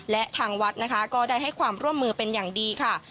และทางวัดนะคะก็ได้ให้ความร่วมมือเป็นอย่างดีค่ะ